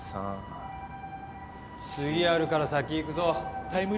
次あるから先行くぞ。